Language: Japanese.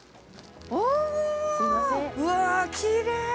◆うわあ、きれい。